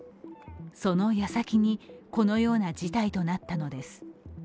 その矢先に、このような事態となったのです。